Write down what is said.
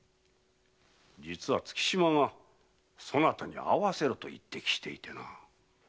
実は月島が「そなたに会わせろ」と言って来ている。